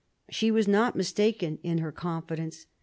She was not mistaken in her confidence.